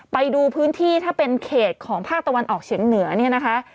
ไปดูพื้นที่ถ้าเป็นเขตของภาคตะวันออกเฉียงเหนือเนี่ยนะคะ